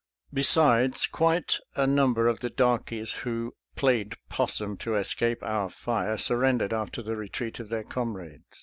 Besides, quite a number of the darkies who " played possum " to escape our fire sur rendered after the retreat of their comrades.